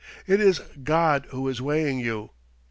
It is God who is weighing you.